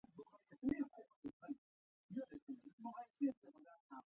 • ژړا د زړه سختوالی نرموي.